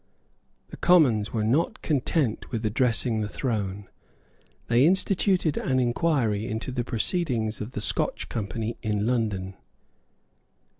The Commons were not content with addressing the throne. They instituted an inquiry into the proceedings of the Scotch Company in London.